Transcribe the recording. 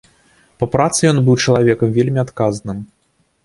Па працы ён быў чалавекам вельмі адказным.